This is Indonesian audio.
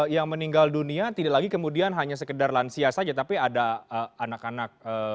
yang meninggal dunia tidak lagi kemudian hanya sekedar lansia saja tapi ada anak anak